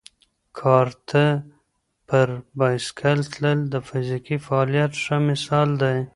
کارته پر بایسکل تلل د فزیکي فعالیت ښه مثال دی.